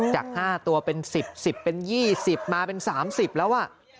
จาก๕ตัวเป็น๑๐๑๐เป็น๒๐มาเป็น๓๐แล้ว